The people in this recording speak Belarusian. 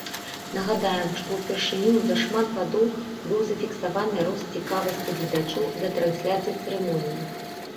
Нагадаем, што ўпершыню за шмат гадоў быў зафіксаваны рост цікавасці гледачоў да трансляцыі цырымоніі.